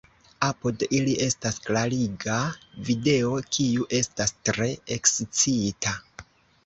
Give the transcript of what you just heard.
Apud ili estas klariga video, kiu estas tre ekscita.